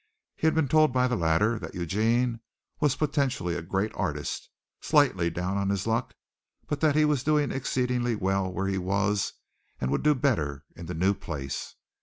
He had been told by the latter that Eugene was potentially a great artist, slightly down on his luck, but that he was doing exceedingly well where he was and would do better in the new place.